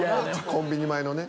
コンビニ前のね。